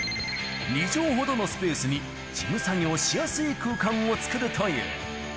２畳ほどのスペースに事務作業しやすい空間を作るという。